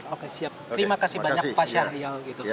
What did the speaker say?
oke siap terima kasih banyak pak syahrial gitu